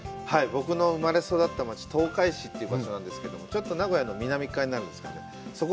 僕の生まれ育った町、東海市なんですけど、ちょっと名古屋の南側になるんですね。